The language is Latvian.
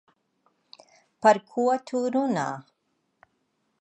Par ko tu runā?